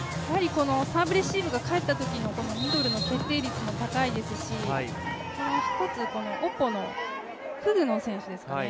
サーブレシーブが返ったときのミドルの決定率も高いですし１つ、オポのクグノ選手ですかね